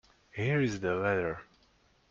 Here is the letter.